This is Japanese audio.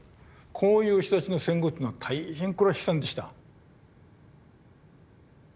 こういう人たちの戦後っていうのは大変これは悲惨でした。